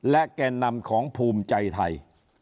และแก่นำของภูมิใจไทย